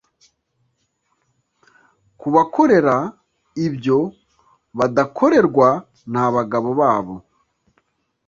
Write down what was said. Kubakorera ibyo badakorerwa n’abagabo babo